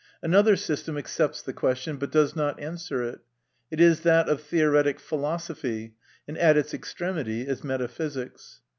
Another system accepts the question, but does not answer it ; it is that of theoretic philosophy, and at its extremity is metaphysics.